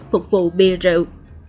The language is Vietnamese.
phục vụ bia rượu